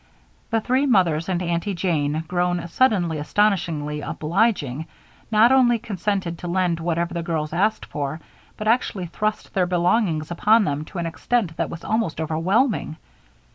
The three mothers and Aunty Jane, grown suddenly astonishingly obliging, not only consented to lend whatever the girls asked for, but actually thrust their belongings upon them to an extent that was almost overwhelming.